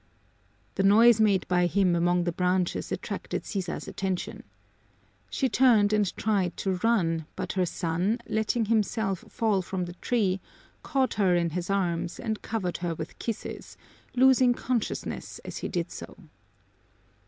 The noise made by him among the branches attracted Sisa's attention. She turned and tried to run, but her son, letting himself fall from the tree, caught her in his arms and covered her with kisses, losing consciousness as he did so.